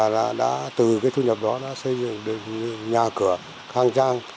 là từ cái thu nhập đó đã xây dựng được nhà cửa hàng trang